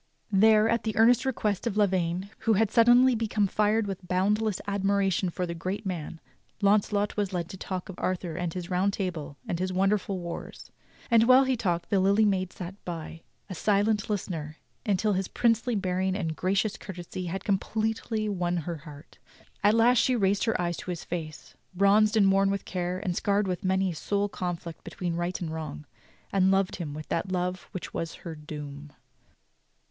There, at the earnest request of Lavaine, who had suddenly become fired with boundless admiration for the great man, Launcelot was led on to talk of Arthur and his Round Table and his wonderful wars; and while he talked the Lily Maid sat by, a silent listener, until his princely bearing and gracious courtesy had completely won her heart. At last she raised her eyes to his face, bronzed and worn with care, and scarred with many a soul conflict between right and wrong, "and loved him with that love which was her doom."